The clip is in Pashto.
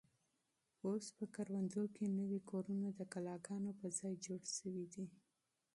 اوس په کروندو کې نوي کورونه د کلاګانو په ځای جوړ شوي دي.